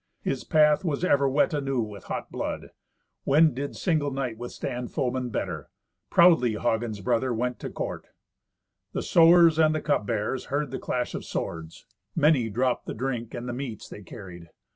His path was ever wet anew with hot blood. When did single knight withstand foemen better? Proudly Hagen's brother went to court. The sewers and the cup bearers heard the clash of swords. Many dropped the drink and the meats they carried.